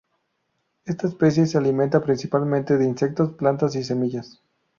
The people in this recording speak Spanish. Esta especie se alimenta principalmente de insectos, plantas y semillas.